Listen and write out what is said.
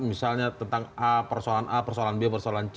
misalnya tentang a persoalan a persoalan b persoalan c